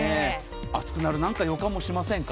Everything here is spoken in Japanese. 暑くなる予感もしませんか？